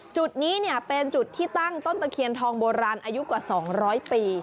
จุดนี้เป็นจุดที่ตั้งต้นตะเคียนทองโบราณอายุกว่า๒๐๐ปี